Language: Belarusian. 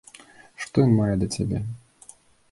Што ён мае да цябе?